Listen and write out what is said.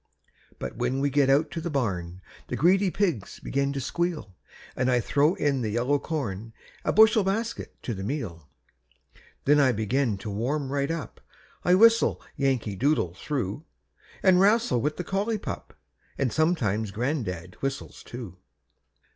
But when we get out to the barn The greedy pigs begin to squeal, An' I throw in the yellow corn, A bushel basket to the meal. Then I begin to warm right up, I whistle "Yankee Doodle" through, An' wrastle with the collie pup And sometimes gran'dad whistles too.